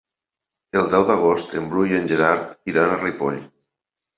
El deu d'agost en Bru i en Gerard iran a Ripoll.